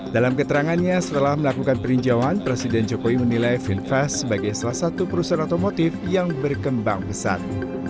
dalam keterangannya setelah melakukan peninjauan presiden jokowi menilai finfast sebagai salah satu perusahaan otomotif yang berkembang pesat